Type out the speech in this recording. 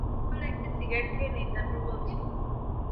তাহলে একটা সিগারেট খেয়ে নেই, তারপর বলছি।